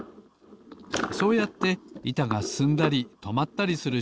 そうやっていたがすすんだりとまったりする